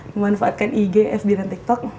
memanfaatkan ig fb dan tiktok